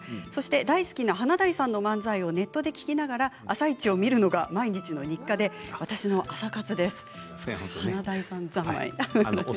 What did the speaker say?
大好きな華大さんの漫才をネットで聞きながら「あさイチ」を見るのが毎日日課で私の朝活ですということです。